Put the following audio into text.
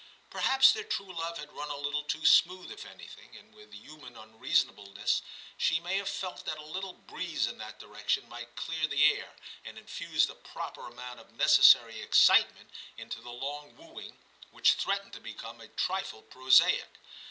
Perhaps their true love had run a little too smooth if anything, and with human unreasonableness, she may have felt that a little breeze in that direction might clear the air and infuse the proper amount of necessary excitement into the long wooing, which threatened to become a trifle prosaic.